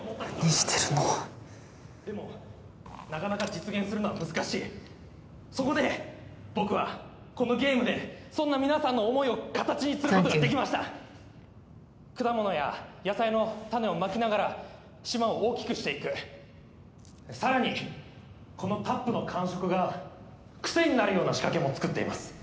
何してるのでもなかなか実現するのは難しいそこで僕はこのゲームでそんな皆さんの思いを形にすることができましたサンキュー果物や野菜の種をまきながら島を大きくしていくさらにこのタップの感触がクセになるような仕掛けも作っています